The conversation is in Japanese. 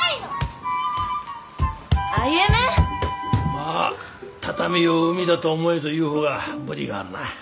まあ畳を海だと思えという方が無理があるな。